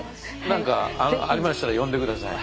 何かありましたら呼んで下さい。